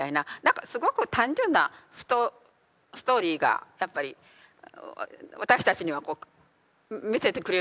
すごく単純なストーリーがやっぱり私たちには見せてくれるじゃないですか。